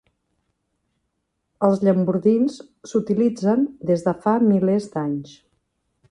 Els llambordins s'utilitzen des de fa milers d'anys.